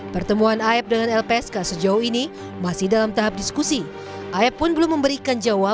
terlalu banyak yang mencari pecahkan ini ya kami berusaha untuk mencari perlindungan